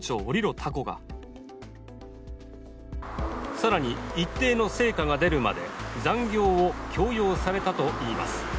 更に、一定の成果が出るまで残業を強要されたといいます。